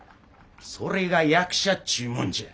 それが役者っちゅうもんじゃ。